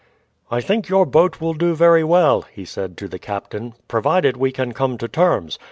"I think your boat will do very well," he said to the captain, "provided we can come to terms.